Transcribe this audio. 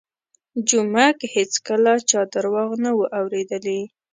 جومک هېڅکله چا درواغ نه وو اورېدلي.